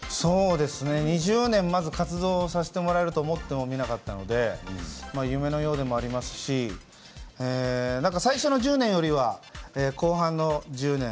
２０年まず活動させてもらえると思ってもみなかったので夢のようでもありますし最初の１０年よりは後半の１０年